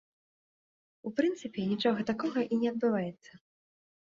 У прынцыпе, нічога такога і не адбываецца.